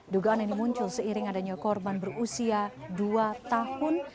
dugaan ini muncul seiring adanya korban berusia dua tahun